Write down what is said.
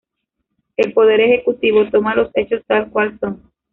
El Poder Ejecutivo toma los hechos tal cual son.